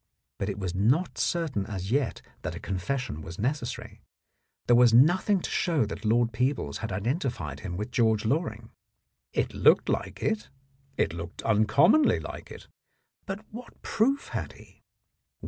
But it was not certain as yet that a confession was necessary; there was nothing to show that Lord Peebles had identified him with George Loring. It looked like it; it looked uncommonly like it, but what proof had he?